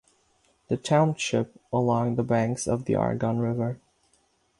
The township along the banks of the Argun River.